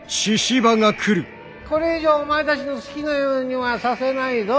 これ以上お前たちの好きなようにはさせないぞ。